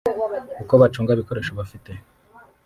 uko bacunga ibikoresho bafite